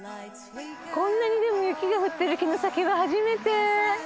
こんなにでも雪が降ってる城崎は初めて。